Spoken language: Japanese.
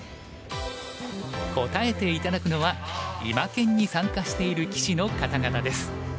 答えて頂くのは今研に参加している棋士の方々です。